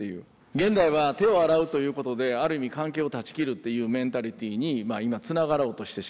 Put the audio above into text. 現代は手を洗うということである意味関係を断ち切るっていうメンタリティーに今つながろうとしてしまってる。